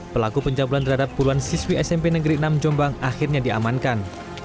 pelaku pencabulan terhadap puluhan siswi smp negeri enam jombang akhirnya diamankan